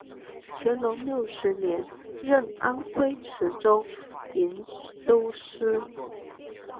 乾隆六十年任安徽池州营都司。